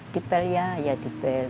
diperi ya ya diperi